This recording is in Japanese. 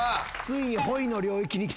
ついに。